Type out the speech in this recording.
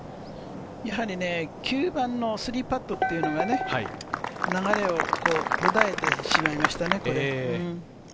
やはり９番の３パットっていうのがね流れを途絶えてしまいましたね。